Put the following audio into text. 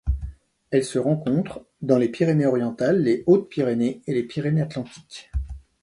Elle se rencontre dans les Pyrénées-Orientales, les Hautes-Pyrénées et les Pyrénées-Atlantiques.